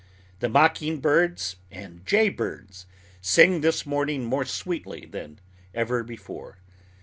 The mocking birds and jay birds sing this morning more sweetly than ever before.